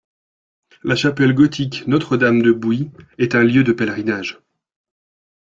La chapelle gothique Notre-Dame-de-Bouit est un lieu de pèlerinage.